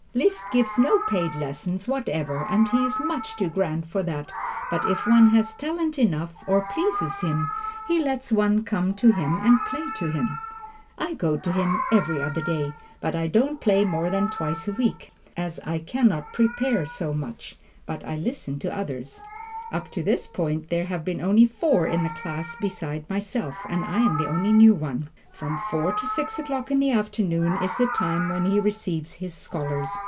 Liszt gives no paid lessons whatever, as he is much too grand for that, but if one has talent enough, or pleases him, he lets one come to him and play to him. I go to him every other day, but I don't play more than twice a week, as I can not prepare so much, but I listen to others. Up to this point there have been only four in the class beside myself, and I am the only new one. From four to six o'clock in the afternoon is the time when he receives his scholars.